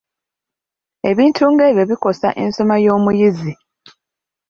Ebintu ng'ebyo bikosa ensoma y'omuyizi.